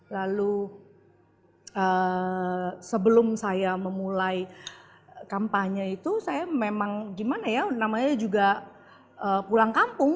lalu sebelum saya memulai kampanye itu saya memang gimana ya namanya juga pulang kampung